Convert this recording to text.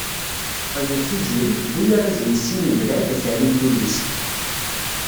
Ṭeyyeb Tiziri tewwi arraz wis sin n Belɛid At Ɛli n tullist.